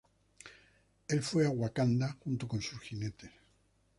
Él fue a Wakanda, junto con sus jinetes.